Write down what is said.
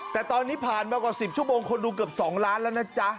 แต่ตอนนี้ผ่านมากว่า๑๐ชั่วโมงคนดูเกือบ๒ล้านแล้วนะจ๊ะ